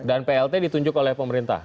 plt ditunjuk oleh pemerintah